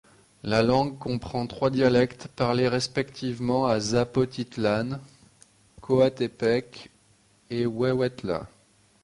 La langue comprend trois dialectes, parlés respectivement à Zapotitlán, Coatepec et Huehuetla.